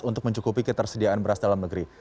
untuk mencukupi ketersediaan beras dalam negeri